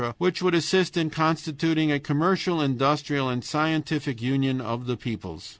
which would assist in constituting a commercial, industrial, and scientific union of the peoples.